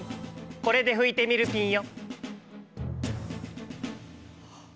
これでふいてみるピンよ。